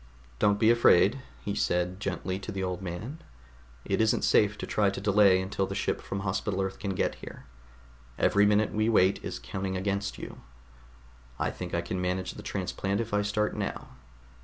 "Don't be afraid," he said gently to the old man. "It isn't safe to try to delay until the ship from Hospital Earth can get here. Every minute we wait is counting against you. I think I can manage the transplant if I start now.